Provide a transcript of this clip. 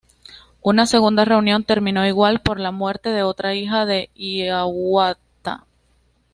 Una segunda reunión termino igual por la muerte de otra hija de Hiawatha.